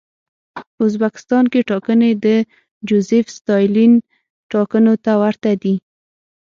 په ازبکستان کې ټاکنې د جوزېف ستالین ټاکنو ته ورته دي.